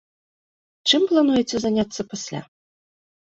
Чым плануеце заняцца пасля?